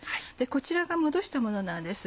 こちらがもどしたものなんです。